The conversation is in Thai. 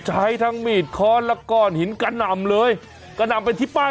วัยรุ่นที่คุกขนองเป็นอุบัติเหตุในทางที่ผิด